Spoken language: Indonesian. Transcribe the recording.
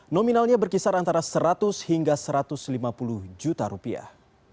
nominalnya berkisar antara seratus hingga satu ratus lima puluh juta rupiah